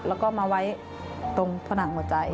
แล้วก็มาไว้ตรงผนังหัวใจ